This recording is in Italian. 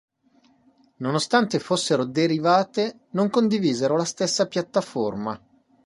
Nonostante fossero derivate, non condivisero la stessa piattaforma.